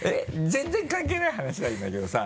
全然関係ない話なんだけどさ。